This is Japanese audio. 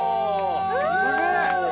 すげえ！